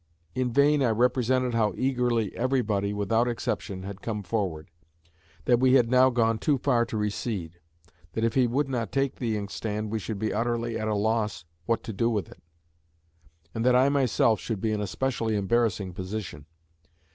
In vain I represented how eagerly everybody, without exception, had come forward; that we had now gone too far to recede; that, if he would not take the inkstand, we should be utterly at a loss what to do with it; and that I myself should be in a specially embarrassing position.